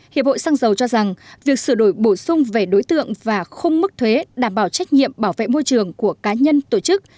hiệp hội xăng dầu cho rằng việc sửa đổi bổ sung về đối tượng và khung mức thuế đảm bảo trách nhiệm bảo vệ môi trường của cá nhân tổ chức